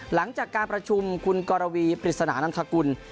หลังจากการประชุมคุณกรวีพฤษณานักฐาคุณ